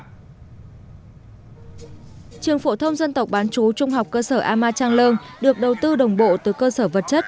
trường phổ thông dân tộc bán chú trung học cơ sở ama trang lương được đầu tư đồng bộ từ cơ sở vật chất